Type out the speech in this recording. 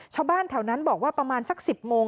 ชาวบ้านแถวนั้นบอกว่าประมาณสัก๑๐โมง